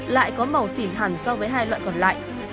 lại có màu xỉn hẳn so với hai loại còn lại